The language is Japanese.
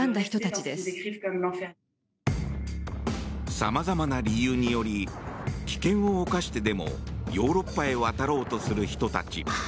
さまざまな理由により危険を冒してでもヨーロッパへ渡ろうとする人たち。